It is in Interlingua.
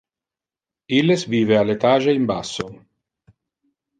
Illes vive al etage in basso.